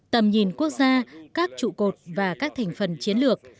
tầm nhìn quốc gia các trụ cột và các thành phần chiến lược